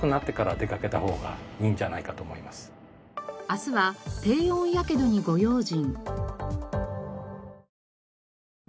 明日は低温やけどにご用心。